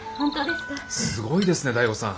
すごいですね醍醐さん。